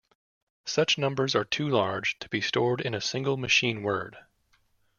Such numbers are too large to be stored in a single machine word.